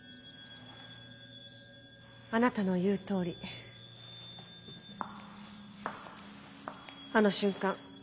あなたの言うとおりあの瞬間